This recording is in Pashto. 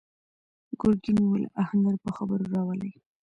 ګرګين وويل: آهنګر په خبرو راولئ!